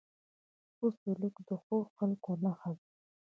ښه سلوک د ښو خلکو نښه ده.